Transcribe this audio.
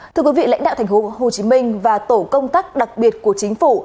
thưa quý vị lãnh đạo thành phố hồ chí minh và tổ công tác đặc biệt của chính phủ